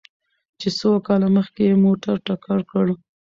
چې څو کاله مخکې يې موټر ټکر کړ؟